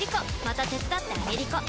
また手伝ってあげりこ！